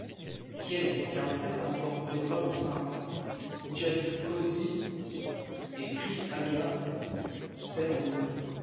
Kenneth Carlsen remporte l'épreuve en simple, Jeff Coetzee et Chris Haggard celle en double.